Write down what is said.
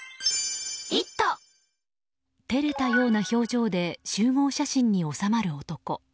照れたような表情で集合写真に納まる男。